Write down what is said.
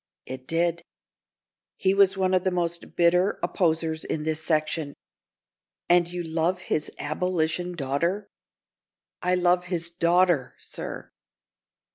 "It did." "He was one of the most bitter opposers in this section. And you love his abolition daughter?" "I love his daughter, sir!"